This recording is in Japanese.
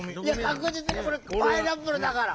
かくじつにこれ「パイナップル」だから！